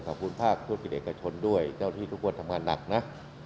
ขอบคุณภาคธุรกิจเอกชนด้วยเจ้าที่ทุกคนทำงานหนักนะ